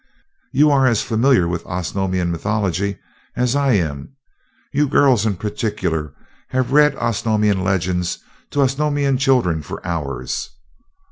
You are as familiar with Osnomian mythology as I am you girls in particular have read Osnomian legends to Osnomian children for hours.